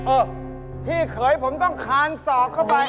เออพี่เขยผมต้องคานศอกเข้าไป